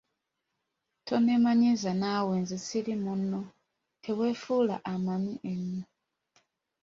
Tonneemanyiiza naawe, nze siri munno teweefuula ammanyi ennyo.